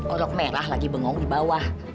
olok merah lagi bengong di bawah